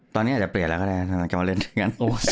ตอนนี้อาจจะเปลี่ยนแล้วก็ได้เราจะมาเล่นด้วยกัน